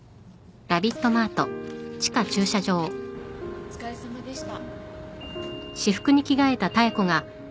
お疲れさまでした。